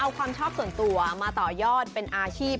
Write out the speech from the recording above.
เอาความชอบส่วนตัวมาต่อยอดเป็นอาชีพ